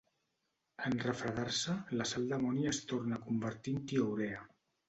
En refredar-se, la sal d'amoni es torna a convertir en tiourea.